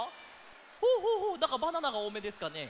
ほうほうほうなんか「バナナ」がおおめですかね。